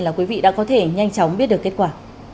là quý vị đã có thể nhanh chóng biết được kết quả